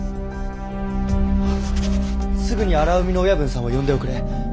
すぐに荒海の親分さんを呼んでおくれ。